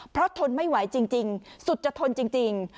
เพราะทนไม่ไหวจริงสุดจะทนจริง